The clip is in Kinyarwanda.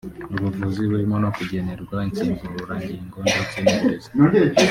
ubuvuzi burimo no kugenerwa insimburangingo ndetse n’uburezi